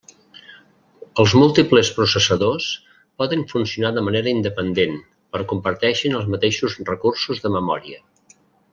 Els múltiples processadors poden funcionar de manera independent, però comparteixen els mateixos recursos de memòria.